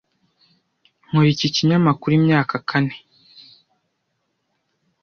Nkora iki kinyamakuru imyaka kane .